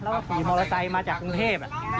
แล้วก็ขี่มอเตอร์ไซค์มาจากกรุงเทพ